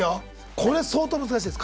これ相当難しいです。